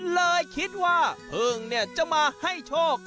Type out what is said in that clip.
เลยคิดว่าพึ่งจะมาให้โชค